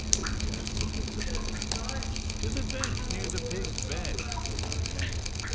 " he asked submissively. " To the bench near the pigs' bed," repHed Hank.